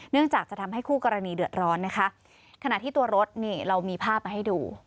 จากจะทำให้คู่กรณีเดือดร้อนนะคะขณะที่ตัวรถนี่เรามีภาพมาให้ดู